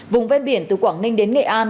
vùng ven biển từ quảng ninh đến nghệ an